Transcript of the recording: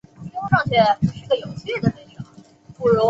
这项特色便使打鼓岭有了这个名称。